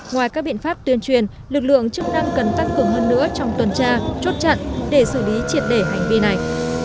ngoài các biện pháp tuyên truyền lực lượng chức năng cần tăng cường hơn nữa trong tuần tra chốt chặn để xử lý triệt để hành vi này